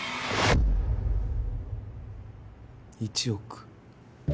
１億。